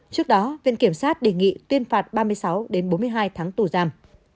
trước đó viện kiểm sát đề nghị tuyên phạt ba mươi sáu bốn mươi hai tháng tù giam